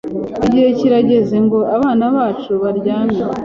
Igihe kirageze ngo abana bacu baryame.